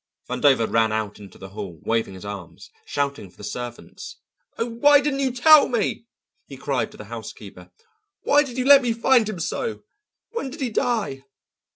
Vandover ran out into the hall, waving his arms, shouting for the servants. "Oh, why didn't you tell me?" he cried to the housekeeper "Why did you let me find him so? When did he die?"